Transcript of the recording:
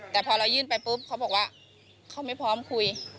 แต่พอเรายื่นไปปุ๊บเขาบอกว่าเขาไม่พร้อมคุย